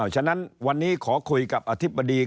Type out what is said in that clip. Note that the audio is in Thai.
ฉะนั้นวันนี้ขอคุยกับอธิบดี